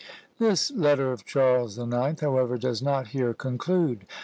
This letter of Charles the Ninth, however, does not here conclude.